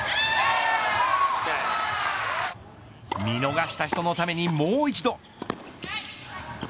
見逃した人のためにもう一度。